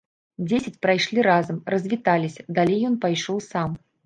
Дзесяць прайшлі разам, развіталіся, далей ён пайшоў сам.